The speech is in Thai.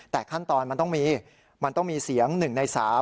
แต่ขั้นตอนมันต้องมีเสียง๑ใน๓